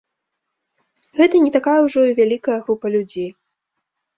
Гэта не такая ўжо і вялікая група людзей.